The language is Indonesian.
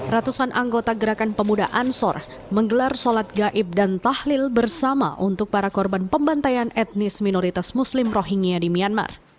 ratusan anggota gerakan pemuda ansor menggelar sholat gaib dan tahlil bersama untuk para korban pembantaian etnis minoritas muslim rohingya di myanmar